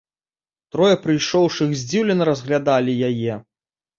Трое прыйшоўшых здзіўлена разглядалі яе.